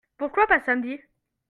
Pourquoi pas samedi ?